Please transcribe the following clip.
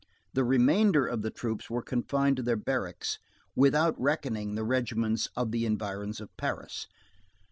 The remainder of the troops were confined to their barracks, without reckoning the regiments of the environs of Paris.